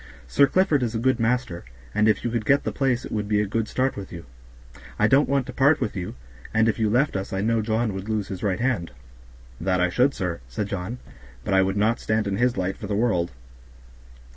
Sir Clifford is a good master, and if you could get the place it would be a good start for you. I don't want to part with you, and if you left us I know John would lose his right hand." "That I should, sir," said John, "but I would not stand in his light for the world."